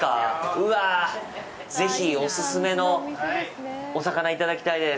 うわあ、ぜひお勧めのお魚いただきたいです。